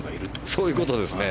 そういうことですね。